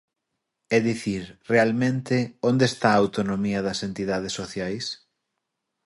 É dicir, realmente, ¿onde está a autonomía das entidades sociais?